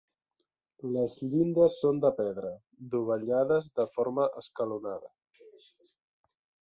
Les llindes són de pedra, dovellades de forma escalonada.